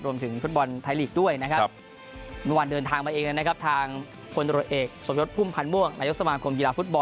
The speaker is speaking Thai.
รวมถึงฟุตบอลไทยหลีกด้วยนะครับบางวันเดินทางมาเองนะครับทางคนโดยเอกสมยดพุ่มพันธ์ม่วง